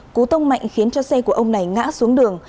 cú tông mạnh khiến cho xe của ông này ngã xuống đường